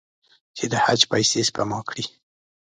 چې د حج پیسې سپما کړي.